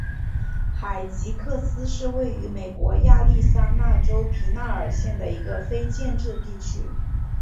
海吉克斯是位于美国亚利桑那州皮纳尔县的一个非建制地区。